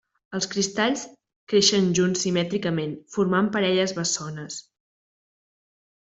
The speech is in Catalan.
Els cristalls creixen junts simètricament formant parelles bessones.